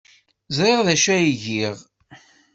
Ẓriɣ d acu ay giɣ.